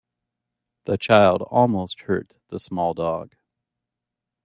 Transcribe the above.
The child almost hurt the small dog.